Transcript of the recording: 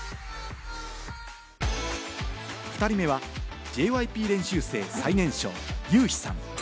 ２人目はＪＹＰ練習生最年少のユウヒさん。